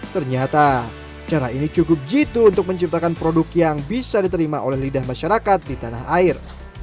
ternyata cara ini cukup jitu untuk menciptakan produk yang bisa diterima oleh lidah masyarakat di tanah air